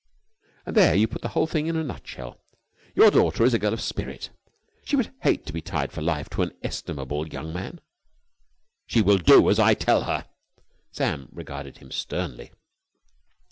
"And there you put the whole thing in a nutshell. Your daughter is a girl of spirit. She would hate to be tied for life to an estimable young man." "She will do as I tell her." Sam regarded him sternly.